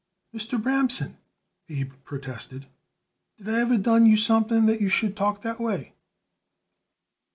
"Mr. Bramson," Abe protested, "did I ever done you something that you should talk that way?"